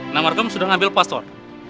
nah margam sudah ngambil pastor